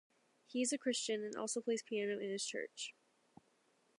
He is a Christian and also plays piano in his church.